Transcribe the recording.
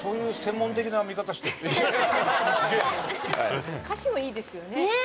森口：歌詞もいいですよね。